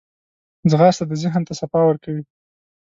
ځغاسته د ذهن ته صفا ورکوي